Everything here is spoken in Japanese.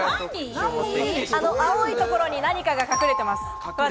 青いところに何かが隠れてます。